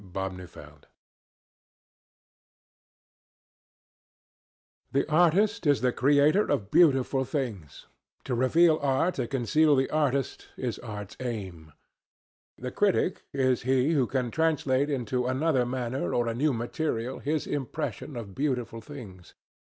THE PREFACE The artist is the creator of beautiful things. To reveal art and conceal the artist is art's aim. The critic is he who can translate into another manner or a new material his impression of beautiful things.